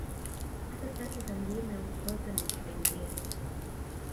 Hasa safu za milima ya Uporoto na ya Kipengere